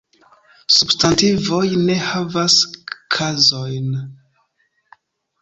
Substantivoj ne havas kazojn.